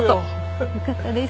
よかったです。